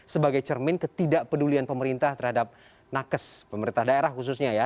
sebagai cermin ketidakpedulian pemerintah terhadap nakes pemerintah daerah khususnya ya